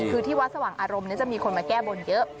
คือที่วัดสว่างอารมณ์จะมีคนมาแก้บนเยอะ